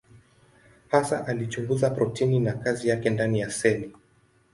Hasa alichunguza protini na kazi yake ndani ya seli.